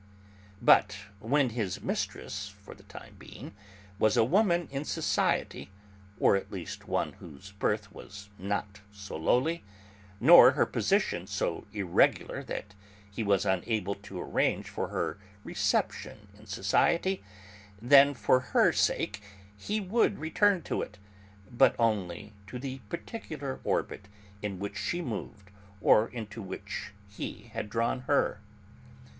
But when his mistress for the time being was a woman in society, or at least one whose birth was not so lowly, nor her position so irregular that he was unable to arrange for her reception in 'society,' then for her sake he would return to it, but only to the particular orbit in which she moved or into which he had drawn her.